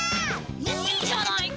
いいじゃないか。